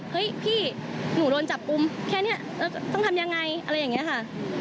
เฮ้ยพี่หนูโดนจับกุมแค่นี้แล้วต้องทำยังไงอะไรอย่างนี้ค่ะ